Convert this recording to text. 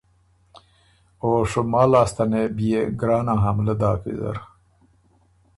او شمال لاسته نې بيې ګرانه حملۀ داک ویزر